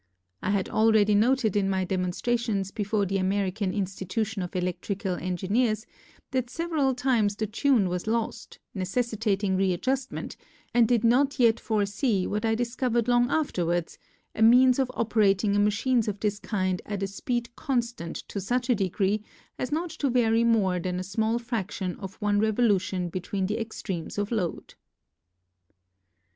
I had already noted in my demonstra tions before the American Institution of Electrical Engineers that several times the tune was lost, necessitating readjustment, and did not yet foresee, what I discovered long afterwards, a means of operating a machine of this kind at a speed constant to such a degree as not to vary more than a small fraction of one revolution between the extremes of load.